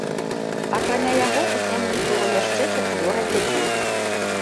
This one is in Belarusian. Акрамя яго ў сям'і было яшчэ чацвёра дзяцей.